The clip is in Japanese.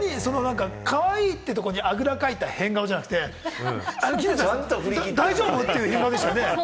かわいいってところにあぐらかいた変顔じゃなくて、大丈夫？という変顔でしたね。